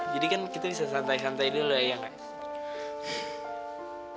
jadi kan kita bisa santai santai dulu ya kan